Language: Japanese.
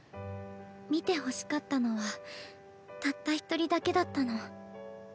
見てほしかったのはたった一人だけだったの。